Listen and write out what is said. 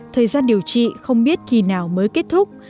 thời gian điều trị không biết kỳ nào mới kết thúc